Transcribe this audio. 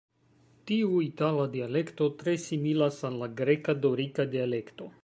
Tiu itala dialekto tre similas al la greka-dorika dialekto.